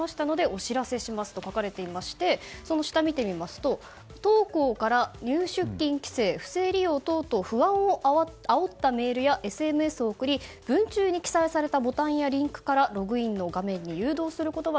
お知らせしますと書かれていましてその下を見ますと当行から入出金規制不正利用等々不安をあおったメールやＳＭＳを送り文中に記載されたリンクやボタンからログイン画面に誘導することは